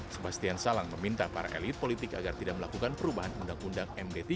sebastian salang meminta para elit politik agar tidak melakukan perubahan undang undang md tiga